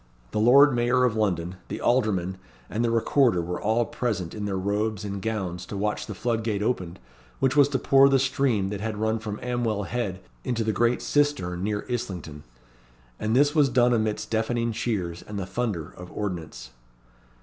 The Lord Mayor of London, the Aldermen, and the Recorder were all present in their robes and gowns to watch the floodgate opened, which was to pour the stream that had run from Amwell Head into the great cistern near Islington. And this was done amidst deafening cheers and the thunder of ordnance.